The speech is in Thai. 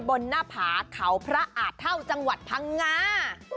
หน้าผาเขาพระอาจเท่าจังหวัดพังงา